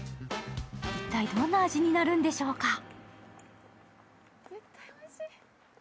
一体どんな味になるんでしょうか？